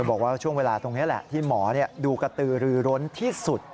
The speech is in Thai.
บอกว่าช่วงเวลาตรงนี้แหละที่หมอดูกระตือรือร้นที่สุด